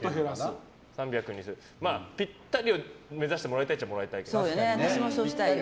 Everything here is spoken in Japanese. ぴったりを目指してもらいたいっちゃ私もそうしたいよ。